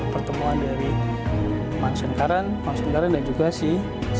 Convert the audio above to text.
pertemuan dari manusia nekaran manusia nekaran dan juga cits